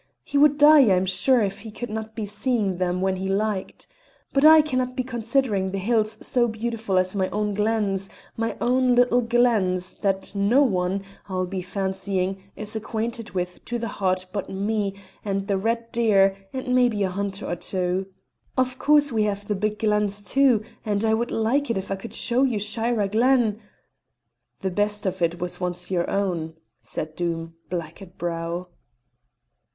He would die, I am sure, if he could not be seeing them when he liked. But I cannot be considering the hills so beautiful as my own glens, my own little glens, that no one, I'll be fancying, is acquainted with to the heart but me and the red deer, and maybe a hunter or two. Of course, we have the big glens, too, and I would like it if I could show you Shira Glen " "The best of it was once our own," said Doom, black at brow.